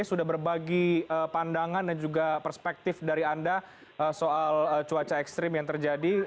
sudah berbagi pandangan dan juga perspektif dari anda soal cuaca ekstrim yang terjadi